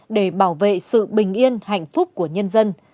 để bảo vệ sự bình yên hạnh phúc của nhân dân